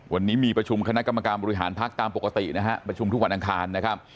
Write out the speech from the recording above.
วันนี้มีประชุมคณะกรรมการบริหารพักตามปกตินะฮะประชุมทุกวันอังคารนะครับ